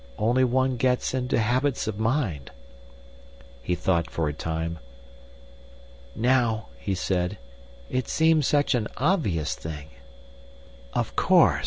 Only one gets into habits of mind." He thought for a time. "Now," he said, "it seems such an obvious thing." "Of course!